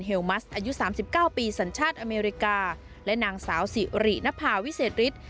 หลีลมัสอายุสามสิบเก้าปีสัญชาติอเมริกาและนางสาวศรีหรี่นพาวิเศษฤฤทธิ์